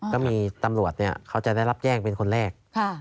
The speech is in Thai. ก็มีตำรวจเขาจะได้รับแจ้งเป็นคนแรก